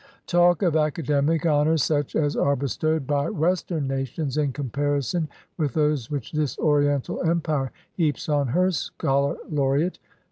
Talk of academic honors such as are bestowed by Western nations in comparison with those which this Oriental Empire heaps on her scholar laureate!